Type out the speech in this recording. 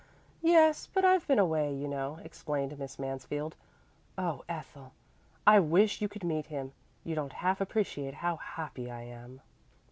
"Yes, but I've been away, you know," explained Miss Mansfield. "Oh, Ethel, I wish you could meet him. You don't half appreciate how happy I am."